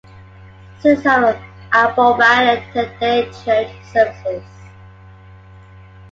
Citizens of Ibobang attend daily church services.